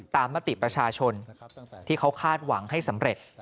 มติประชาชนที่เขาคาดหวังให้สำเร็จ